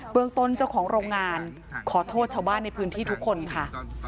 เมืองต้นเจ้าของโรงงานขอโทษชาวบ้านในพื้นที่ทุกคนค่ะ